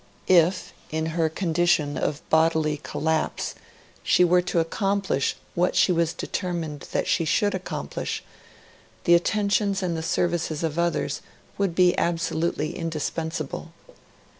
If, in her condition of bodily collapse, she were to accomplish what she was determined that she should accomplish, the attentions and the services of others would be absolutely indispensable.